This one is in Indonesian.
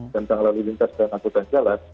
tentang lalu lintas dan angkutan jalan